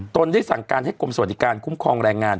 ตนได้สั่งการให้กรมสวัสดิการคุ้มครองแรงงาน